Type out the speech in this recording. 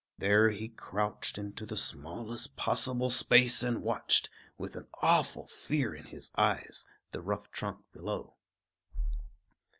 There he crouched into the smallest possible space and watched, with an awful fear in his eyes, the rough trunk below.